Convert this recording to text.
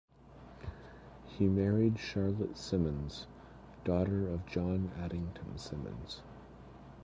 He married Charlotte Symonds, daughter of John Addington Symonds.